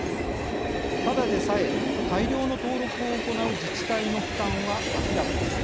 ただでさえ、大量の登録を行う自治体の負担は明らかです。